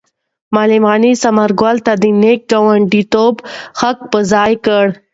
معلم غني ثمر ګل ته د نېک ګاونډیتوب حق په ځای کړ.